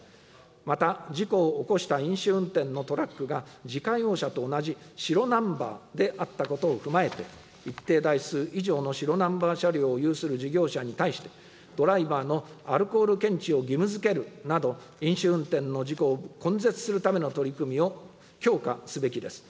また、事故を起こした飲酒運転のトラックが自家用車と同じ白ナンバーであったことを踏まえて、一定台数以上の白ナンバー車両を有する事業者に対して、ドライバーのアルコール検知を義務づけるなど、飲酒運転の事故を根絶するための取り組みを強化すべきです。